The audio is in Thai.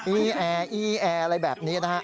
อีแออะไรแบบนี้นะฮะ